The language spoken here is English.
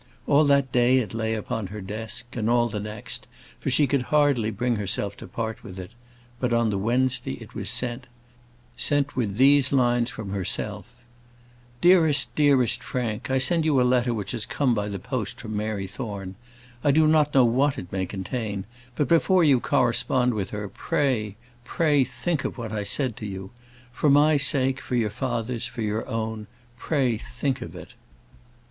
All that day it lay upon her desk, and all the next, for she could hardly bring herself to part with it; but on the Wednesday it was sent sent with these lines from herself: "Dearest, dearest Frank, I send you a letter which has come by the post from Mary Thorne. I do not know what it may contain; but before you correspond with her, pray, pray think of what I said to you. For my sake, for your father's, for your own, pray think of it."